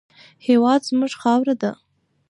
هېواد زموږ خاوره ده